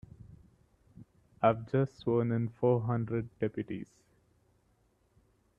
I've just sworn in four hundred deputies.